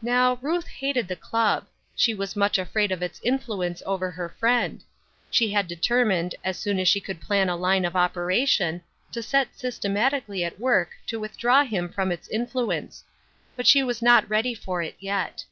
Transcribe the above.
Now, Ruth hated that club; she was much afraid of its influence over her friend; she had determined, as soon as she could plan a line of operation, to set systematically at work to withdraw him from its influence; but she was not ready for it yet.